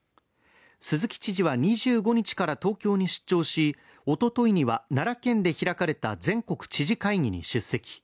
鈴木知事は２５日から東京に出張し、おとといには奈良県で開かれた全国知事会議に出席。